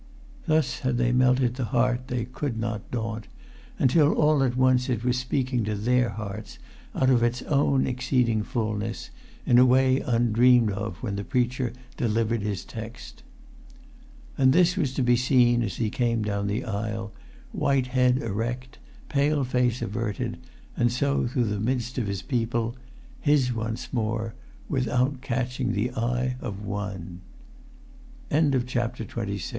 Thus had they melted the heart they could not daunt, until all at once it was speaking to their hearts out of its own exceeding fulness, in a way undreamed of when the preacher delivered his text. And this was to be seen as he came down the aisle, white head erect, pale face averted, and so through the midst of his people—his once more—with